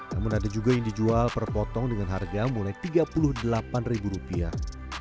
namun ada juga yang dijual per potong dengan harga mulai tiga puluh delapan ribu rupiah